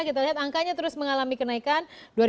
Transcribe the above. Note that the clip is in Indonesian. kita lihat angkanya terus mengalami kenaikan